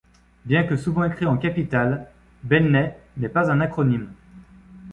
Bien que souvent écrit en capitales, Belnet n'est pas un acronyme.